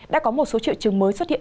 đã có một số triệu chứng mới xuất hiện